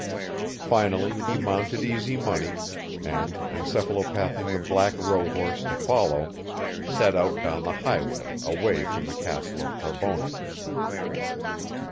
Finally he mounted Easy Money and, encephalopathing the black rohorse to follow, set out down the highway away from the castle of Carbonek.